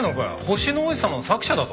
『星の王子さま』の作者だぞ？